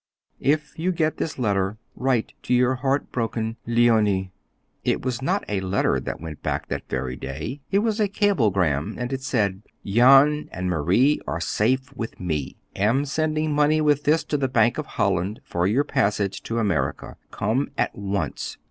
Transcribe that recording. If you get this letter, write to your heart broken LEONIE. It was not a letter that went back that very day; it was a cablegram, and it said: Jan and Marie are safe with me. Am sending money with this to the Bank of Holland, for your passage to America. Come at once.